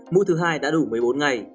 mũi thứ hai đã đủ một mươi bốn ngày